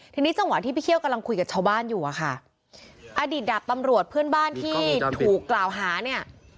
ทีนี้จังหวะที่พี่เคี่ยวกำลังคุยกับชาวบ้านอยู่อะค่ะอดีตดาบตำรวจเพื่อนบ้านที่ถูกกล่าวหาเนี่ย